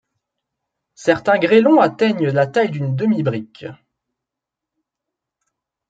Certains grêlons atteignent la taille d'une demi-brique.